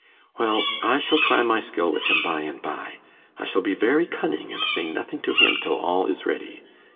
'Well, I shall try my skill with him by and by. I shall be very cunning, and say nothing to him till all is ready.